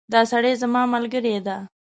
دا سړی زما ملګری ده